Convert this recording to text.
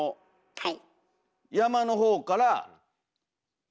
はい。